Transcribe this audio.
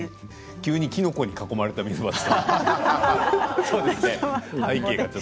急にきのこに囲まれた溝端さん。